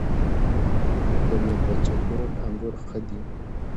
د میربچه کوټ انګور ښه دي